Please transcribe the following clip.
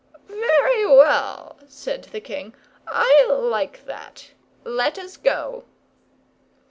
"Very well," said the king. "I like that. Let us go."